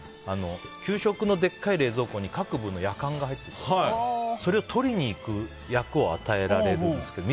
給食のでかい冷蔵庫に各部のやかんが入っててそれを取りに行く役を与えられるんですけど。